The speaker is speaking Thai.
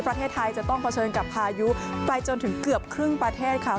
ประเทศไทยจะต้องเผชิญกับพายุไปจนถึงเกือบครึ่งประเทศค่ะ